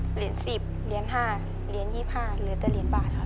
เหรียญ๑๐เหรียญ๕เหรียญ๒๕เหลือแต่เหรียญบาทค่ะ